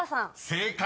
［正解。